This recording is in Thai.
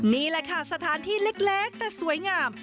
นี่แหละค่ะสถานที่เล็กแต่สวยงาม